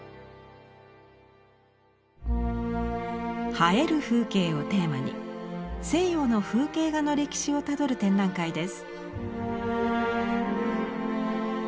「映える風景」をテーマに西洋の風景画の歴史をたどる展覧会です。